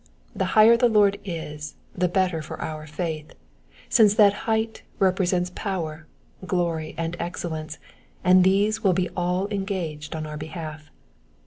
The higher the Lord is the better for our faith, since that height represents power, glory, and excellence, and these will be all engaged on our behalf.